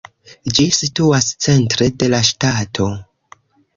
Ĝi situas centre de la ŝtato.